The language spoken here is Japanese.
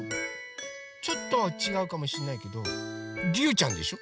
ちょっとはちがうかもしんないけどりゅうちゃんでしょ？